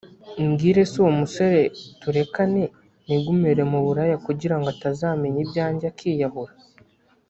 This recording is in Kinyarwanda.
Mbwire se uwo musore turekane nigumire mu buraya kugirango atazamenya ibyanjye akiyahura